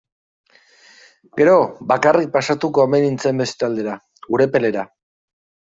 Gero, bakarrik pasatuko omen nintzen beste aldera, Urepelera.